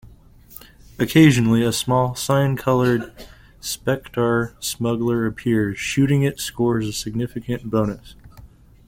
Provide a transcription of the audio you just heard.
Occasionally, a small cyan-colored "Spectar Smuggler" appears; shooting it scores a significant bonus.